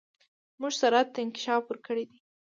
موږ سرعت ته انکشاف ورکړی دی.